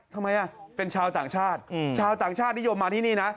ทำไมเป็นชาวต่างชาติชาวต่างชาตินิยมมาที่นี่นะ